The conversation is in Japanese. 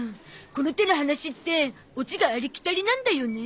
この手の話ってオチがありきたりなんだよね。